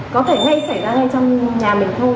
có thể ngay xảy ra ngay trong nhà mình thôi